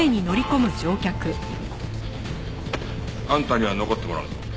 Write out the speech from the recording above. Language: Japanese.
あんたには残ってもらうぞ。